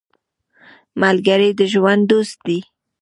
ملګری د ژوند دوست دی